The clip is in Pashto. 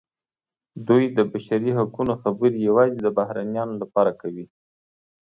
دوی د بشري حقونو خبرې یوازې د بهرنیانو لپاره کوي.